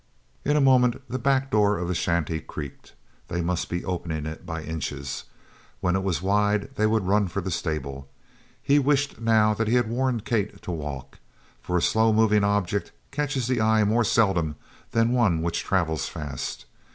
In a moment the back door of the shanty creaked. They must be opening it by inches. When it was wide they would run for the stable. He wished now that he had warned Kate to walk, for a slow moving object catches the eye more seldom than one which travels fast.